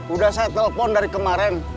udah saya telepon dari kemarin